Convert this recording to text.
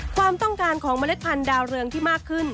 ความต้องการของเมล็ดพันธุ์ดาวเรืองที่มากขึ้น